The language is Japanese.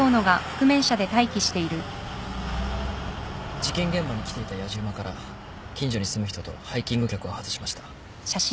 事件現場に来ていたやじ馬から近所に住む人とハイキング客を外しました。